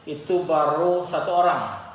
itu baru satu orang